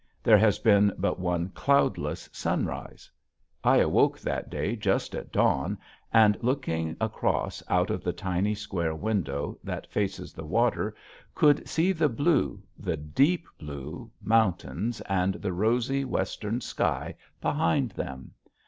There has been but one cloudless sunrise. I awoke that day just at dawn and looking across out of the tiny square window that faces the water could see the blue the deep blue mountains and the rosy western sky behind them.